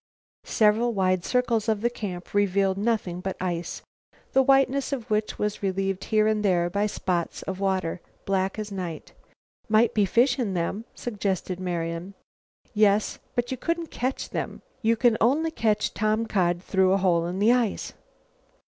Several wide circles of the camp revealed nothing but ice, the whiteness of which was relieved here and there by spots of water, black as night. "Might be fish in them," suggested Marian. "Yes, but you couldn't catch them. You can only catch tomcod through a hole in the ice."